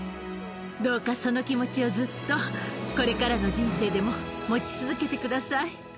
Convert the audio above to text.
どうか、その気持ちをずっと、これからの人生でも持ち続けてください。